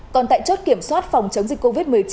còn tại chốt kiểm soát phòng chống dịch covid một mươi chín